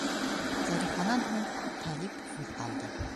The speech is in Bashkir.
Зарифанан һуң Талип һүҙ алды: